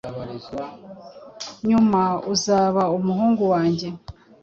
Nyumauzaba umuhungu wanjye